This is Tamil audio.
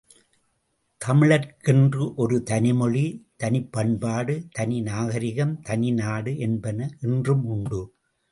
தமிழர்க்கென்று ஒரு தனிமொழி, தனிப்பண்பாடு, தனி நாகரிகம், தனிநாடு என்பன என்றும் உண்டு.